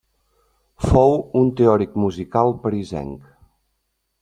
Fou un teòric musical, parisenc.